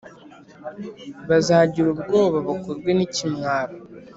bazagira ubwoba, bakorwe n’ikimwaro.